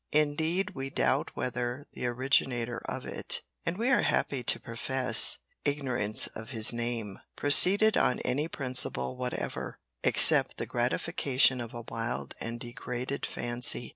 Indeed we doubt whether the originator of it, (and we are happy to profess ignorance of his name), proceeded on any principle whatever, except the gratification of a wild and degraded fancy.